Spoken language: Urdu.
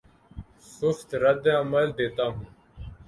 سست رد عمل دیتا ہوں